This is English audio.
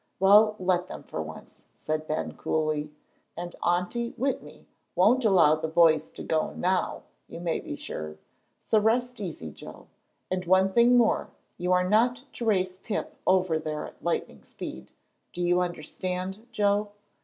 "Well, let them for once," said Ben, coolly. "And Aunty Whitney won't allow the boys to go now, you may be sure. So rest easy, Joe. And one thing more, you are not to race Pip over there at lightning speed. Do you understand, Joe?"